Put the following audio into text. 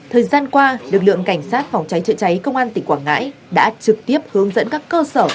thời gian qua lực lượng cảnh sát phòng cháy chữa cháy công an tỉnh quảng ngãi đã trực tiếp hướng dẫn các cơ sở